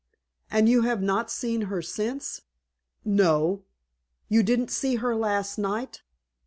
"And you have not seen her since?" "No." "You didn't see her last night?"